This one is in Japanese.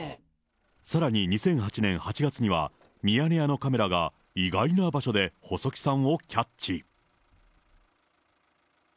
さらに２００８年８月には、ミヤネ屋のカメラが意外な場所で細木さんをキャッチ。